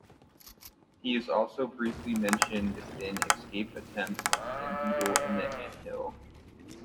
He is also briefly mentioned in "Escape Attempt" and "Beetle in the Anthill".